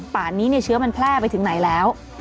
ป่านนี้เชื้อมันแพร่ไปถึงไหนแล้ว